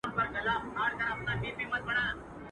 زما ژوندون د ده له لاسه په عذاب دی.